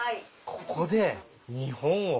ここで日本を。